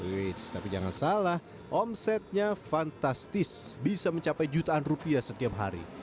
with tapi jangan salah omsetnya fantastis bisa mencapai jutaan rupiah setiap hari